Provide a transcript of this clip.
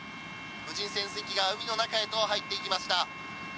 無人潜水機が海の中へと入っていきました。